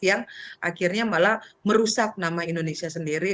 yang akhirnya malah merusak nama indonesia sendiri